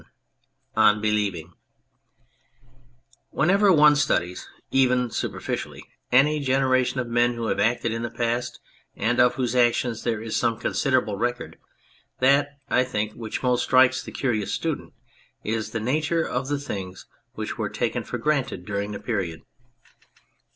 69 ON BELIEVING WHENEVER one studies, even, superficially, any generation of men who have acted in the past and of whose actions there is some considerable record, that, I think, which most strikes the curious student is the nature of the things which were taken for granted during the period.